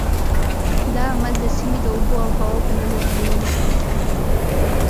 دا عمل د سیمې د اوبو او هوا په نظر کې نیولو سره کېږي.